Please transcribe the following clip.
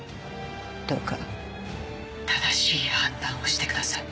どうか正しい判断をしてください。